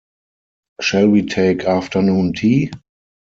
Shall we take afternoon tea?